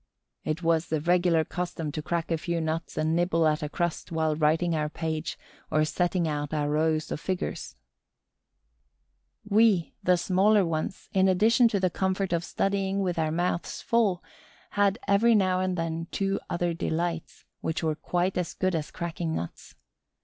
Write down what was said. It was the regular custom to crack a few nuts and nibble at a crust while writing our page or setting out our rows of figures. We, the smaller ones, in addition to the comfort of studying with our mouths full, had every now and then two other delights, which were quite as good as cracking nuts.